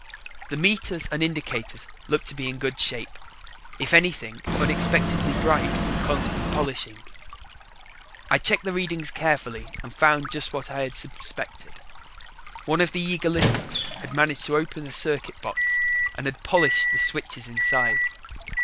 The meters and indicators looked to be in good shape; if anything, unexpectedly bright from constant polishing. I checked the readings carefully and found just what I had suspected. One of the eager lizards had managed to open a circuit box and had polished the switches inside.